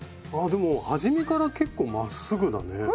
あでも初めから結構まっすぐだね。